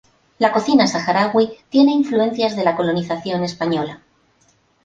La cocina saharaui tiene influencias de la colonización española.